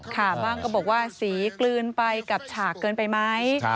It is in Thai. บ้างก็บอกว่าสีกลืนไปกับฉากเกินไปไหม